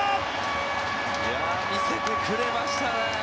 見せてくれましたね。